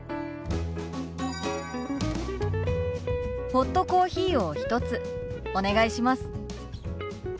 ホットコーヒーを１つお願いします。